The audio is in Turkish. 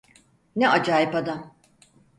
Ne acayip adam.